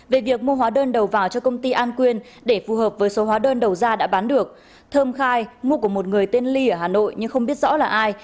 về việc mua hóa đơn đầu vào cho công ty an quyên để phù hợp với số hóa đơn đầu ra đã bán được thơm khai mua của một người tên ly ở hà nội nhưng không biết rõ là ai